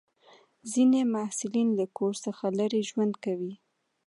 ځینې محصلین له کور څخه لرې ژوند کوي.